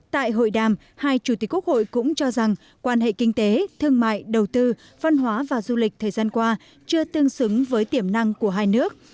tại hội đàm hai chủ tịch quốc hội cũng cho rằng quan hệ kinh tế thương mại đầu tư văn hóa và du lịch thời gian qua chưa tương xứng với tiềm năng của hai nước